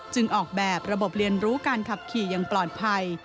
ออกแบบระบบเรียนรู้การขับขี่อย่างปลอดภัย